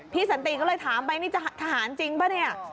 สันติก็เลยถามไปนี่จะทหารจริงป่ะเนี่ย